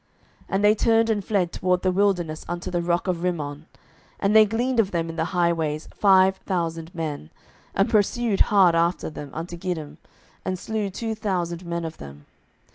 07:020:045 And they turned and fled toward the wilderness unto the rock of Rimmon: and they gleaned of them in the highways five thousand men; and pursued hard after them unto Gidom, and slew two thousand men of them.